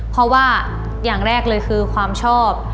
เพราะว่าอย่างแรกเลยคือความชอบ